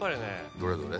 どれどれ。